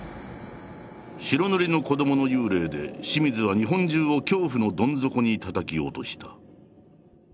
白塗りの子どもの幽霊で清水は日本中を恐怖のどん底にたたき落とした。